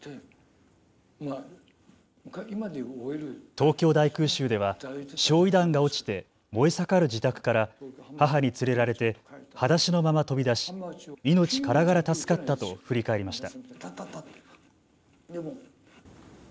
東京大空襲では焼い弾が落ちて燃え盛る自宅から母に連れられてはだしのまま飛び出し、命からがら助かったと振り返りました。